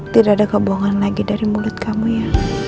tidak ada kebohongan lagi dari mulut kamu ya